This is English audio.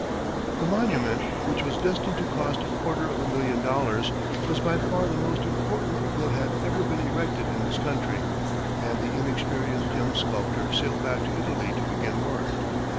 The monument, which was destined to cost a quarter of a million dollars, was by far the most important that had ever been erected in this country, and the inexperienced young sculptor sailed back to Italy to begin work.